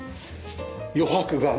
余白がね。